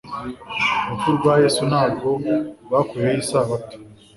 Urupfu rwa Yesu ntabwo rwakuyeho Isabato.